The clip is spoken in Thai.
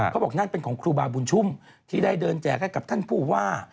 เขาบอกนั่นเป็นของครูบาบุญชุ่มที่ได้เดินแจกให้กับท่านผู้ว่า